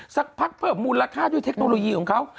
สักพักเพิ่มมูลค่าด้วยเทคโนโลยีของเขา